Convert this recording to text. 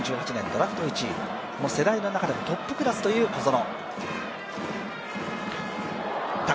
ドラフト１位、世代の中でもトップクラスという小園。